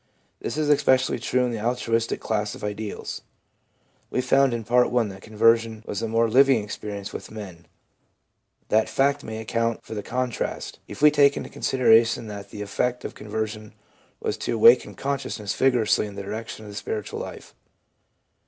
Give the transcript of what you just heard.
This is especially true in the altruistic class of ideals. We found in Part I. that conversion was a more living experience with men ; that fact may account for the 372 THE PSYCHOLOGY OF RELIGION contrast, if we take into consideration that the effect of conversion was to awaken consciousness vigorously in the direction of the spiritual life.